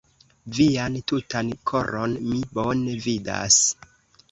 Vian tutan koron mi bone vidas.